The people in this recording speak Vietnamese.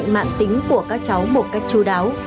của các cháu một cách chú đáo